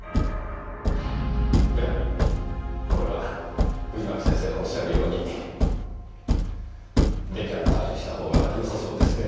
やはりこれは藤巻先生のおっしゃるようにデカンタージュしたほうがよさそうですね。